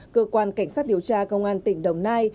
cơ quan cảnh sát điều tra công an tỉnh đồng nai